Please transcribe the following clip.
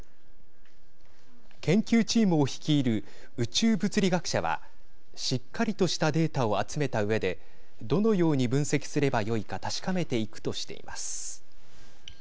研究チームを率いる宇宙物理学者はしっかりとしたデータを集めたうえでどのように分析すればよいか確かめていくとしています。